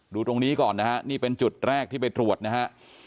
ดูตรงนี้ก่อนนะฮะนี่เป็นจุดแรกที่ไปตรวจนะฮะ